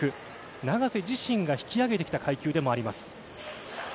永瀬自身が引き上げてきた階級でもあります。